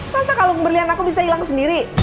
masa kalung berlian aku bisa hilang sendiri